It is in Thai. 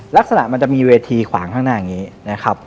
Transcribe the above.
ลักษณะมันจะมีเวทีขวางข้างหน้าอย่างนี้นะครับ